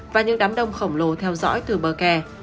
và những đám đông khổng lồ theo dõi từ bờ kè